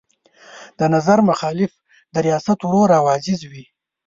د نظر مخالف د ریاست ورور او عزیز وي.